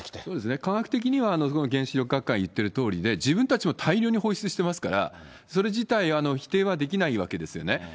そうですね、科学的には原子力学会が言ってるとおりで、自分たちも大量に放出してますから、それ自体、否定はできないわけですよね。